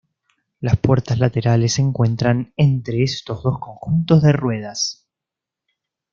Las puertas laterales se encuentran entre estos dos conjuntos de ruedas.